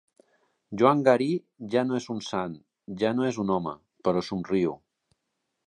Joan Garí ja no és un sant, ja no és un home. Però somriu...